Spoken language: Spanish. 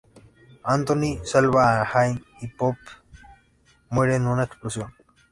Anthony salva a Anne y Pope muere en una explosión.